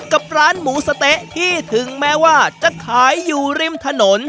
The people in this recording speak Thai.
กับร้านหมูสะเต๊ะที่ถึงแม้ว่าจะขายอยู่ริมถนน